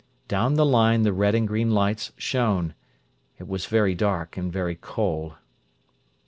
Down the line the red and green lights shone. It was very dark and very cold.